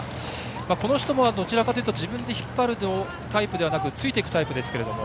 この人もどちらかというと自分で引っ張るタイプではなくついていくタイプですけれども。